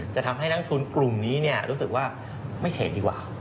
จะทำให้นักทุนกลุ่มนี้รู้สึกว่าไม่เฉดดีกว่า